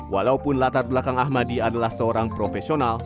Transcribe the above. walaupun latar belakang ahmadi adalah seorang profesional